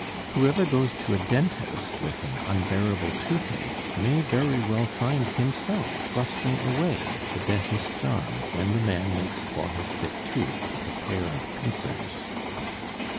Whoever goes to a dentist with an unbearable toothache may very well find himself thrusting away the dentist's arm when the man makes for his sick tooth with a pair of pincers.